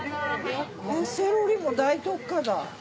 セロリも大特価だ。